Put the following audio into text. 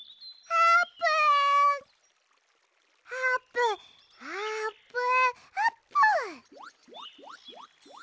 あーぷんあぷんあぷん！